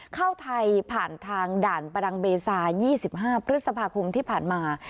เข้าไทยผ่านทางด่านประดังเบซา๒๕พฤษภาคมที่ผ่านมา